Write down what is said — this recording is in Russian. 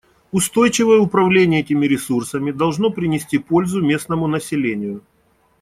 Устойчивое управление этими ресурсами должно принести пользу местному населению.